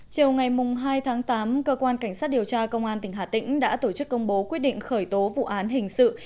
chiều ngày hai tháng tám cơ quan cảnh sát điều tra công an tỉnh hà tĩnh đã tổ chức công bố quyết định khởi tố vụ án hình sự